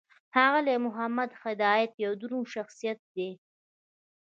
ښاغلی محمد هدایت یو دروند شخصیت دی.